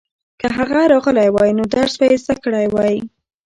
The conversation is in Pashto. که هغه راغلی وای نو درس به یې زده کړی وای.